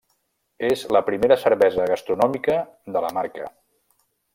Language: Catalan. És la primera cervesa gastronòmica de la marca.